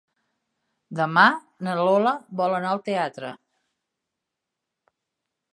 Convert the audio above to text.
Demà na Lola vol anar al teatre.